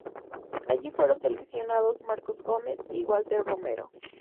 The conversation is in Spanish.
Allí fueron seleccionados Marcos Gómez y Walter Romero.